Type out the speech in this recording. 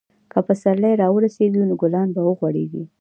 که پسرلی راورسیږي، نو ګلان به وغوړېږي.